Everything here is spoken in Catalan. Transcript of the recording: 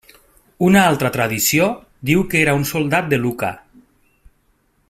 Una altra tradició diu que era un soldat de Lucca.